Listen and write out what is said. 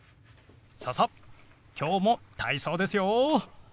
ささっ今日も体操ですよ。